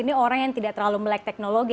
ini orang yang tidak terlalu melek teknologi